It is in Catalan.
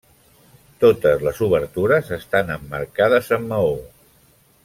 Totes les obertures estan emmarcades amb maó.